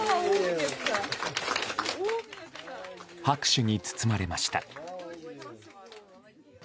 拍手に包まれました。